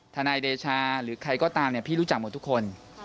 ทนายเดชาหรือใครก็ตามพี่รู้จักหมดทุกคน